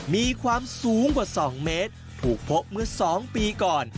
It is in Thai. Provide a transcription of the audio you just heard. มีความสูงกว่า๒เมตรถูกพบเมื่อ๒ปีก่อน